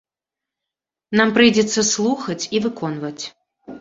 Нам прыйдзецца слухаць і выконваць.